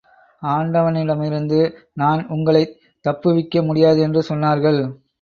ஆண்டவனிடமிருந்து நான் உங்களைத் தப்புவிக்க முடியாது என்று சொன்னார்கள்.